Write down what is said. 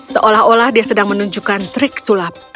seolah olah dia sedang menunjukkan trik sulap